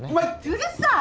うるさい！